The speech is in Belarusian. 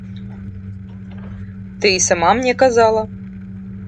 Ты і сама мне казала.